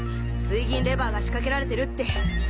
水銀レバーが仕掛けられてるって。